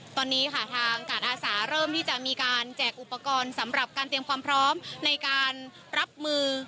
ตอนนี้ค่ะทางการอาสาเริ่มที่จะมีการแจกอุปกรณ์สำหรับการเตรียมความพร้อมในการรับมือ